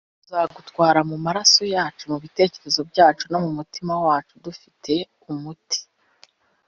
tuzagutwara mumaso yacu, mubitekerezo byacu, no mumitima yacu dufite umuti,